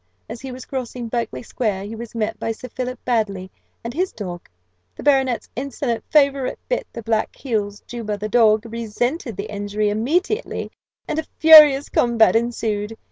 As he was crossing Berkeley square he was met by Sir Philip Baddely and his dog. The baronet's insolent favourite bit the black's heels. Juba, the dog, resented the injury immediately, and a furious combat ensued.